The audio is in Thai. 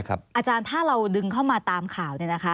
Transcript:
อาจารย์ถ้าเราดึงเข้ามาตามข่าว